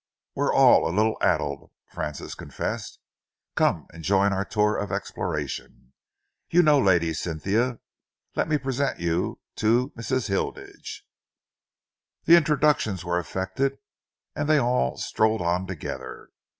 "We're all a little addled," Francis confessed. "Come and join our tour of exploration. You know Lady Cynthia. Let me present you to Mrs. Hilditch." The introduction was effected and they all, strolled on together.